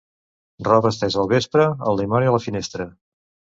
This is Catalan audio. Roba estesa al vespre, el dimoni a la finestra.